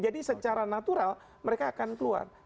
jadi secara natural mereka akan keluar